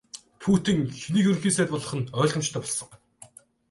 Путин хэнийг Ерөнхий сайд болгох нь ойлгомжтой болсон.